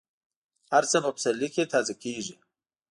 هر څه په پسرلي کې تازه کېږي.